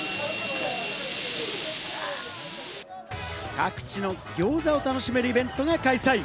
各地の餃子を楽しめるイベントが開催。